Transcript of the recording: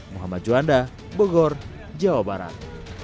muhammad juanda bogor jawa barat